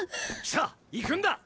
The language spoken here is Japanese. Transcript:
さあ行くんだ！